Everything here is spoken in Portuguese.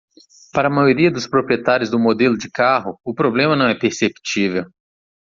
Para a maioria dos proprietários do modelo de carro?, o problema não é perceptível.